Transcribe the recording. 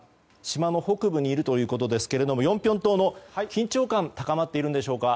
島の北部にいるということですがヨンピョン島の緊張感高まっているんでしょうか。